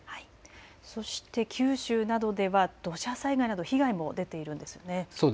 そして九州などでは土砂災害など被害も出ているんですよね。